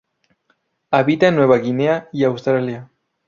Habita en Nueva Guinea y Australia.